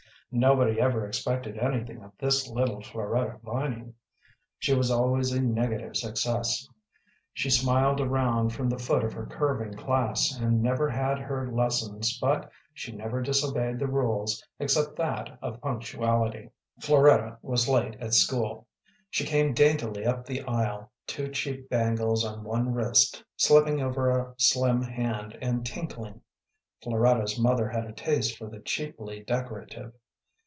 Nobody ever expected anything of this little Floretta Vining. She was always a negative success. She smiled around from the foot of her curving class, and never had her lessons, but she never disobeyed the rules, except that of punctuality. Floretta was late at school. She came daintily up the aisle, two cheap bangles on one wrist slipping over a slim hand, and tinkling. Floretta's mother had a taste for the cheaply decorative.